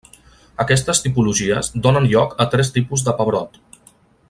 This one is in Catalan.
Aquestes tipologies donen lloc a tres tipus de pebrot: